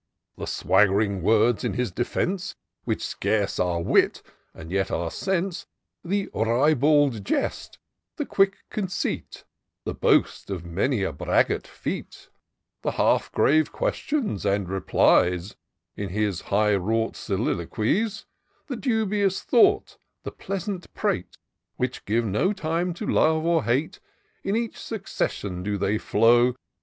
The swagg'ring words in his defence, Which scarce are wit, and yet are sense ; The ribald jest — the quick conceit — The boast of many a braggart feat; The half grave questions and replies, In his high wrought soliloquies ; The dubious thought — the pleasant prate, Which give no time to love or hate. In such succession do they flow.